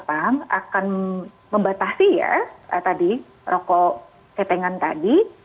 akan membatasi ya tadi rokok ketengan tadi